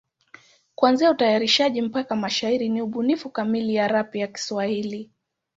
Kuanzia utayarishaji mpaka mashairi ni ubunifu kamili ya rap ya Kiswahili.